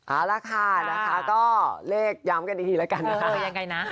เอาละค่ะนะคะก็เลขย้ำกันดีแล้วกันนะคะยังไงนะ